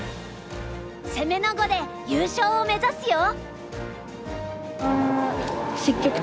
攻めの碁で優勝を目指すよ。